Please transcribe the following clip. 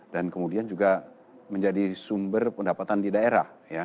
dan kemudian juga menjadi sumber pendapatan di daerah